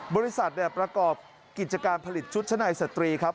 บริษัทประกอบกิจการผลิตชุดชะนายสตรีครับ